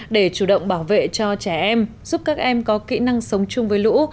để chủ động bảo vệ cho trẻ em giúp các em có kỹ năng sống chung với lũ